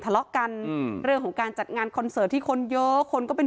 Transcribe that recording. ทะเลาะกันอืมเรื่องของการจัดงานคอนเสิร์ตที่คนเยอะคนก็เป็น